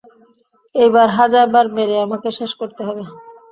এইবার, হাজারবার মেরে আমাকে শেষ করতে হবে।